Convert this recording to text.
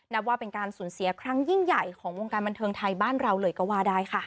นับว่าเป็นการสูญเสียครั้งยิ่งใหญ่ของวงการบันเทิงไทยบ้านเราเลยก็ว่าได้ค่ะ